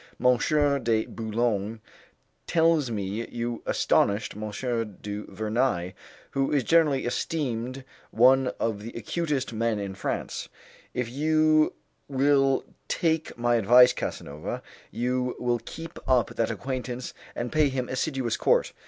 "M. de Boulogne tells me you astonished M. du Vernai, who is generally esteemed one of the acutest men in France. If you will take my advice, Casanova, you will keep up that acquaintance and pay him assiduous court.